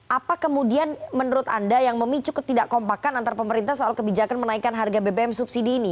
apa kemudian menurut anda yang memicu ketidak kompakan antar pemerintah soal kebijakan menaikkan harga bbm subsidi ini